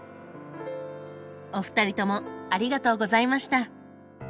お二人ともありがとうございました。